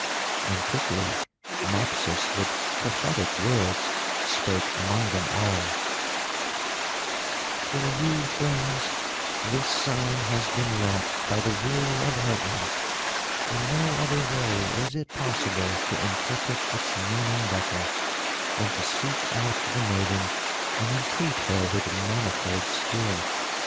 And quickly Mopsus with prophetic words spake among them all: "For you, friends, this sign has been wrought by the will of heaven; in no other way is it possible to interpret its meaning better, than to seek out the maiden and entreat her with manifold skill.